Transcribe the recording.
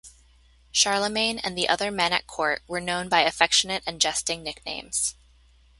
Charlemagne and the other men at court were known by affectionate and jesting nicknames.